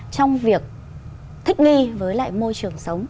trong việc thích nghi với lại môi trường sống